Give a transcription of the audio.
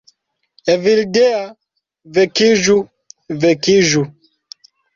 "Evildea... vekiĝu... vekiĝu..."